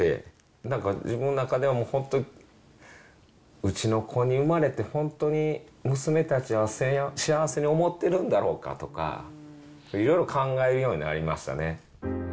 なんか自分の中では本当、うちの子に生まれて本当に娘たちは幸せに思ってるんだろうかとか、いろいろ考えるようになりましたね。